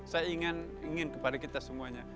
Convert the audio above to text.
saya ingin kepada kita semuanya